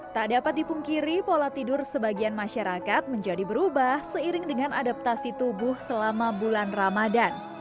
tak dapat dipungkiri pola tidur sebagian masyarakat menjadi berubah seiring dengan adaptasi tubuh selama bulan ramadan